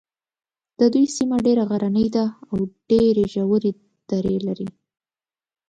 د دوی سیمه ډېره غرنۍ ده او ډېرې ژورې درې لري.